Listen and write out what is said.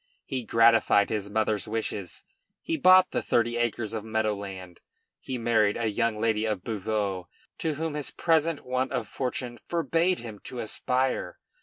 He gratified his mother's wishes; he bought the thirty acres of meadow land; he married a young lady of Beauvais to whom his present want of fortune forbade him to aspire.